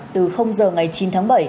từ giờ ngày chín tháng bảy